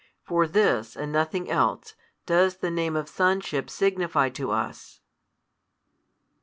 For this and nothing else, does the name of Sonship signify to us.